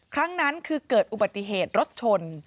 ครั้งนั้นคือเกิดอุบัติเหตุรถชน